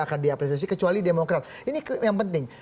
akan diapresiasi kecuali demokrat ini yang penting